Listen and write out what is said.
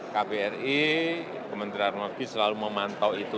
kbri kementerian warga selalu memantau itu